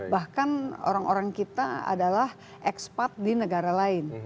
bahkan orang orang kita adalah ekspat di negara lain